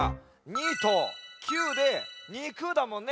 ２と９で「にく」だもんね。